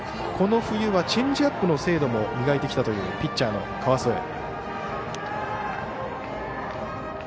この冬はチェンジアップの精度も磨いてきたというピッチャーの川副。